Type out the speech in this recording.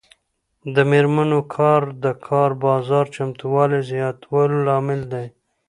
د میرمنو کار د کار بازار چمتووالي زیاتولو لامل دی.